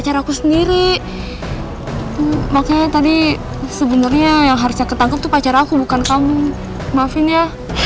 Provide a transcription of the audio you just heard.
cara aku sendiri makanya tadi sebenarnya yang harusnya ketangkep tuh pacar aku bukan kamu maafin ya